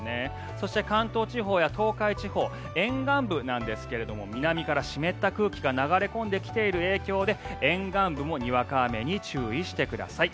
そして関東地方や東海地方沿岸部なんですが南から湿った空気が流れ込んできている影響で沿岸部もにわか雨に注意してください。